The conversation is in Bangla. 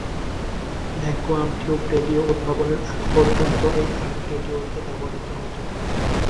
ভ্যাকুয়াম টিউব রেডিও উদ্ভাবনের আগ পর্যন্ত এই আর্ক রেডিওতে ব্যবহৃত হত।